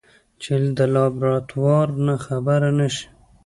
چې د لابراتوار نه خبره نشي.